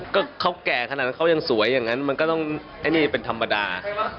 ก็เขาแก่ขนาดนั้นเขายังสวยอย่างนั้นมันก็ต้องไอ้นี่เป็นธรรมดา